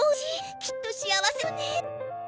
きっと幸せなのね。